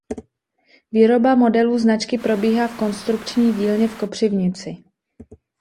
Výroba modelů značky probíhá v konstrukční dílně v Kopřivnici.